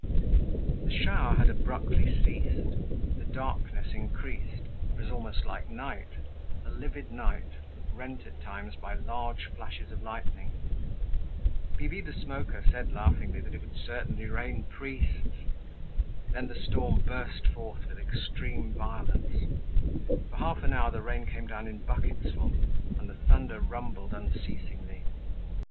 The shower had abruptly ceased. The darkness increased, it was almost like night—a livid night rent at times by large flashes of lightning. Bibi the Smoker said laughingly that it would certainly rain priests. Then the storm burst forth with extreme violence. For half an hour the rain came down in bucketsful, and the thunder rumbled unceasingly.